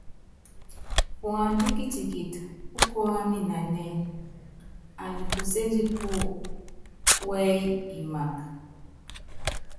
Puándá kitikiti púkuáminanɛ́ɛ, anyikuséndi pú púɛyi imaka.